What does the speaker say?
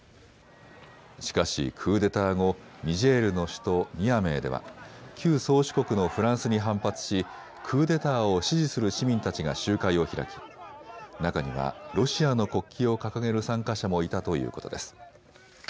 しかしクーデター後、ニジェールの首都ニアメーでは旧宗主国のフランスに反発しクーデターを支持する市民たちが集会を開き中にはロシアの国旗を掲げる参加者もいたということです。